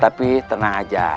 tapi tenang aja